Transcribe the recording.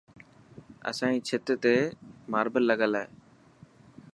اسائي ڇت تي ماربل لگل هي.